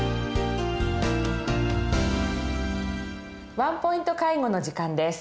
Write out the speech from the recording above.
「ワンポイント介護」の時間です。